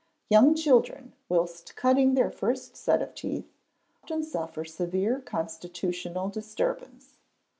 Young children, whilst cutting their first set of teeth, often suffer severe constitutional disturbance.